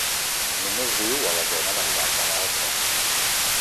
Només viu a la zona del llac Alaotra.